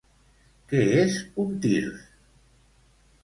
Què és un tirs?